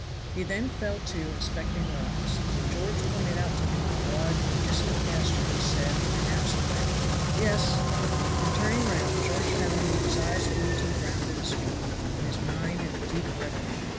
He then fell to inspecting the rocks; and when George pointed out to him the broad and distant pasture he said, in an absent way, "Yes;" and turning round George found him with his eyes glued to the ground at his feet, and his mind in a deep reverie.